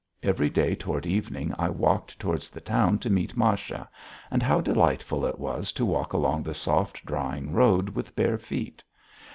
Every day toward evening I walked toward the town to meet Masha, and how delightful it was to walk along the soft, drying road with bare feet!